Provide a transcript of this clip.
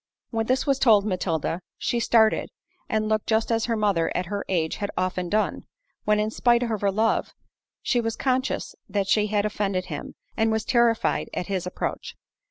When this was told Matilda, she started, and looked just as her mother at her age had often done, when in spite of her love, she was conscious that she had offended him, and was terrified at his approach.